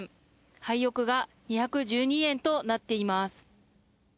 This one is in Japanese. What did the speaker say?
ハイオクが２１２円となっています。